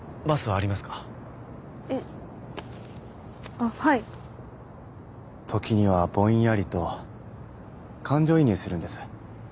あっはい時にはぼんやりと感情移入するんです